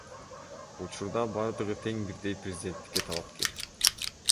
Учурда бардыгы тең бирдей президенттикке талапкер.